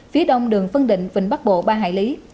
phía đông đường phân định vịnh bắc bộ ba hải lý